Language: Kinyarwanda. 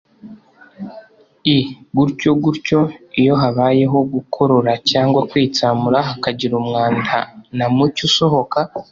i gutyo gutyo iyo habayeho gukorora cyangwa kwitsamura hakagira umwanda na mucye usohoka.